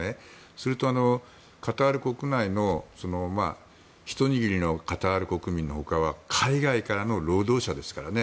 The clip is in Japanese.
それと、カタール国内のひと握りのカタール国民のほかは海外からの労働者ですからね。